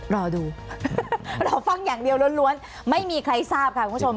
รอดูรอฟังอย่างเดียวล้วนไม่มีใครทราบค่ะคุณผู้ชม